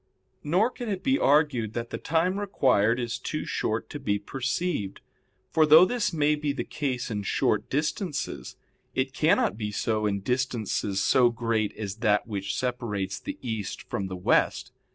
Nor can it be argued that the time required is too short to be perceived; for though this may be the case in short distances, it cannot be so in distances so great as that which separates the East from the West.